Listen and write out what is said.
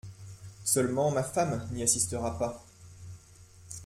Seulement ma femme n'y assistera pas …